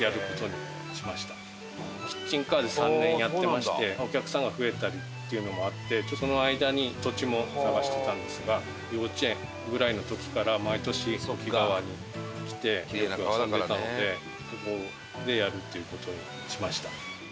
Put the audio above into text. キッチンカーで３年やってましてお客さんが増えたりっていうのもあってその間に土地も探してたんですが幼稚園ぐらいの時から毎年都幾川に来てよく遊んでたのでここでやるっていう事にしました。